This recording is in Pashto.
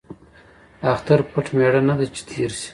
ـ اختر پټ ميړه نه دى ،چې تېر شي.